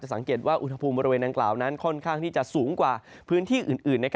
สังเกตว่าอุณหภูมิบริเวณดังกล่าวนั้นค่อนข้างที่จะสูงกว่าพื้นที่อื่น